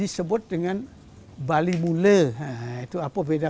disebut dengan bali mule itu apa beda